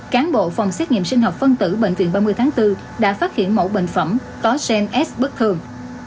cán bộ phòng xét nghiệm sinh học phân tử bệnh viện ba mươi tháng bốn đã phát hiện mẫu bệnh phẩm có gen s bất thường